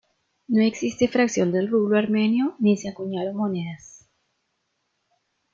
No existe fracción del rublo armenio ni se acuñaron monedas.